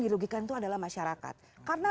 dirugikan itu adalah masyarakat karena